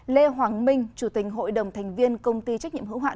lê hoàng minh chủ tình hội đồng thành viên công ty trách nhiệm hữu hạn